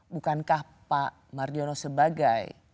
bukankah pak mardiono sebagai